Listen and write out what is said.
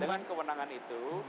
dengan kewenangan itu